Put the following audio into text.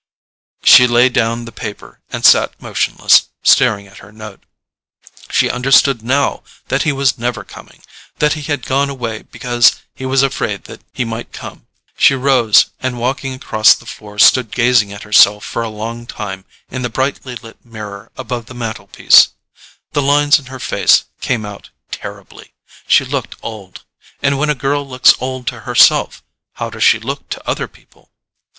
She laid down the paper and sat motionless, staring at her note. She understood now that he was never coming—that he had gone away because he was afraid that he might come. She rose, and walking across the floor stood gazing at herself for a long time in the brightly lit mirror above the mantelpiece. The lines in her face came out terribly—she looked old; and when a girl looks old to herself, how does she look to other people?